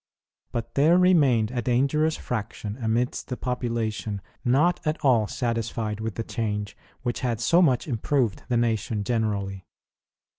But there remained a dangerous fraction amidst the population not at all satisfied with the change which had so much improved the nation generally.